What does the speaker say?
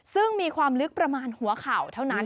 ซึ่งมีความลึกประมาณหัวเข่าเท่านั้น